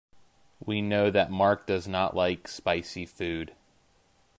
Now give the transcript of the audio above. We know that Mark does not like spicy food.